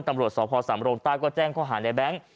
ตำรวจสพสำโรงใต้ก็แจ้งข้อหาในแบงค์